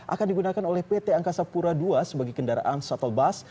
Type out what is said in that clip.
akan digunakan oleh pt angkasa pura ii sebagai kendaraan shuttle bus